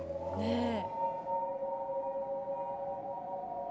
ねえ。